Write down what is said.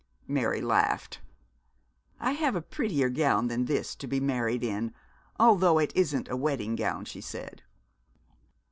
Mary laughed. 'I have a prettier gown than this to be married in, although it isn't a wedding gown,' she said.